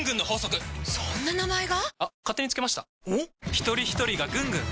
ひとりひとりがぐんぐん！